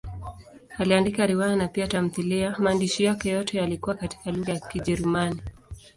Aliandika riwaya na pia tamthiliya; maandishi yake yote yalikuwa katika lugha ya Kijerumani.